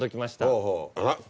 ほうほうあら。